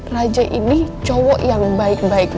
raja ini cowok yang baik baik